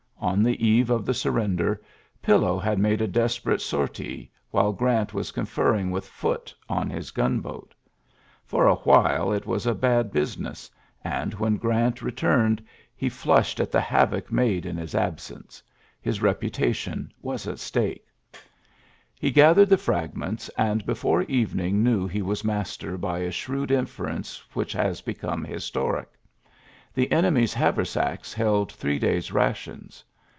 On the eve of the surrender, Pillow had made a desperate sortie while Grant was conferring with Foote on his gunboat. For a while it was a bad business ; and when Grant re turned, he flushed at the havoc made in ULYSSES S. GEANT 61 his absence : his reputation was at stake. He gathered the fragments, and before evening knew he was master by a shrewd inference which has become historic. The enemy's haversacks held three days' rations.